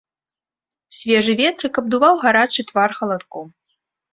Свежы ветрык абдуваў гарачы твар халадком.